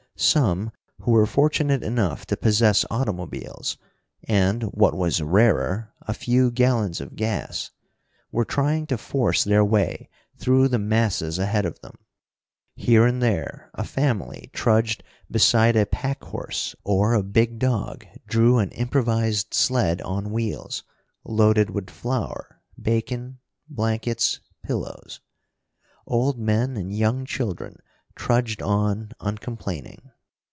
Some, who were fortunate enough to possess automobiles, and what was rarer a few gallons of gas, were trying to force their way through the masses ahead of them; here and there a family trudged beside a pack horse, or a big dog drew an improvised sled on wheels, loaded with flour, bacon, blankets, pillows. Old men and young children trudged on uncomplaining.